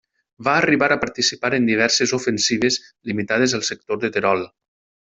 Va arribar a participar en diverses ofensives limitades al sector de Terol.